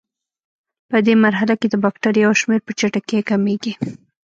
پدې مرحله کې د بکټریاوو شمېر په چټکۍ کمیږي.